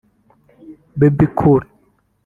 Bebe Cool